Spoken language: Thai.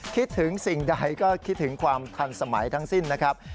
คิดถึงสิ่งใดก็คิดถึงความทันสมัยทั้งสิ้นนะครับ